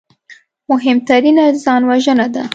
مهمترینه ځانوژنه ده